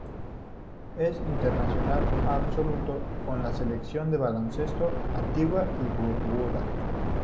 Es internacional absoluto con la Selección de baloncesto de Antigua y Barbuda.